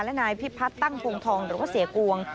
และนายพิพัฒน์ตั้งพงทองหรือว่าเสียกวง